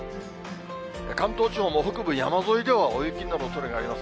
関東地方も北部山沿いでは大雪になるおそれがあります。